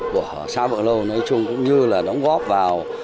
của xã bờ lâu nói chung cũng như là đóng góp vào